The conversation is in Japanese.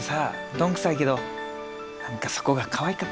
どんくさいけど何かそこがかわいかったりすんねんな。